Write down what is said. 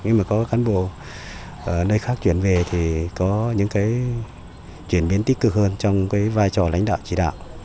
nhưng mà có cán bộ ở nơi khác chuyển về thì có những cái chuyển biến tích cực hơn trong cái vai trò lãnh đạo chỉ đạo